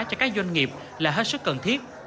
cho các doanh nghiệp là hết sức cần thiết